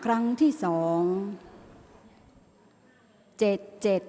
ออกรางวัลที่๖เลขที่๗